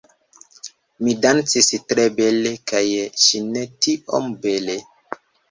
Mi dancis tre bele kaj ŝi ne tiom bele